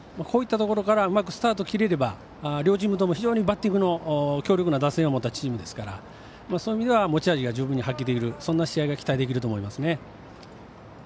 こういったところからうまくスタートを切れれば両チームとも、非常にバッティングが強力な打線を持ったチームですからそういう意味では持ち味が十分発揮できる試合が期待できると思います。